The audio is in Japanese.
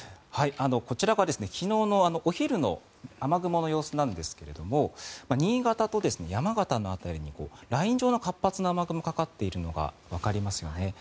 こちらが昨日のお昼の雨雲の様子なんですが新潟と山形の辺りにライン状の活発な雨雲がかかっているのがわかりますよね。